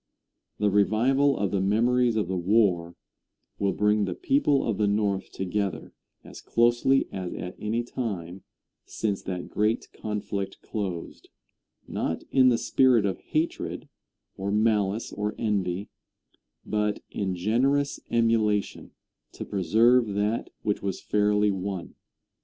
The revival of the memories of the war will bring the people of the North together as closely as at any time since that great conflict closed, not in the spirit of hatred, or malice or envy, but in generous emulation to preserve that which was fairly won.